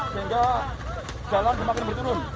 sehingga jalan semakin berturun